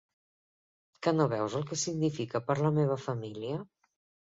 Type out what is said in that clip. Que no veus el que significa per a la meva família?